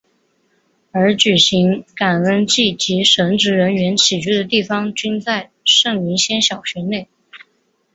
而举行感恩祭及神职人员起居的地方均在圣云仙小学内。